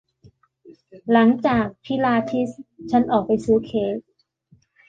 หลังจากพิลาทิสฉันออกไปซื้อเค้ก